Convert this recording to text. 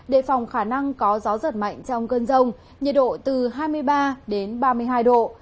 đề phòng khả năng có gió giật mạnh trong cơn rông nhiệt độ từ hai mươi ba đến ba mươi hai độ